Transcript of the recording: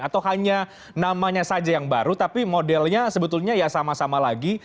atau hanya namanya saja yang baru tapi modelnya sebetulnya ya sama sama lagi